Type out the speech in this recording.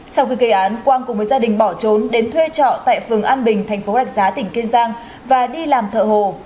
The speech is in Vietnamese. sau khi gây án quang cùng với gia đình bỏ trốn đến thuê trọ tại phường an bình thành phố rạch giá tỉnh kiên giang và đi làm thợ hồ